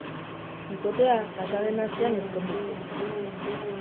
Bikotea pasa den astean ezkondu zen.